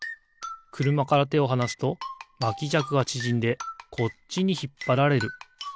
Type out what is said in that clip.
くるまからてをはなすとまきじゃくがちぢんでこっちにひっぱられる。